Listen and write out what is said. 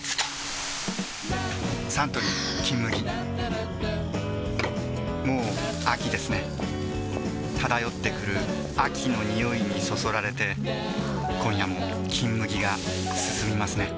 サントリー「金麦」もう秋ですね漂ってくる秋の匂いにそそられて今夜も「金麦」がすすみますね